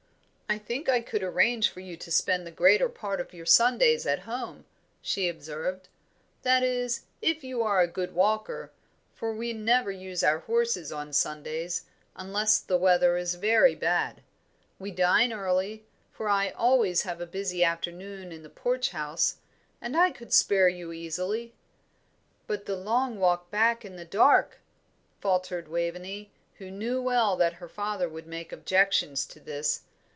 "I think I could arrange for you to spend the greater part of your Sundays at home," she observed, "that is, if you are a good walker, for we never use our horses on Sundays, unless the weather is very bad. We dine early, for I always have a busy afternoon in the Porch House, and I could spare you easily." "But the long walk back in the dark," faltered Waveney, who knew well that her father would make objections to this.